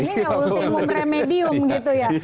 ini ultimum remedium gitu ya